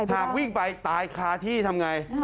หากวิ่งไปตายคาที่ทำอย่างไร